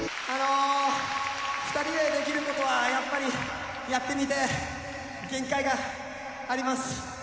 あの２人でできる事はやっぱりやってみて限界があります。